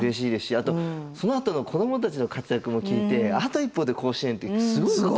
あとそのあとの子どもたちの活躍も聞いてあと一歩で甲子園ってすごいこと！